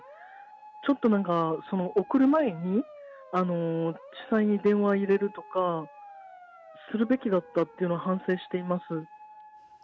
ちょっとなんか、送る前に、地裁に電話入れるとかするべきだったっていうのは反省しています。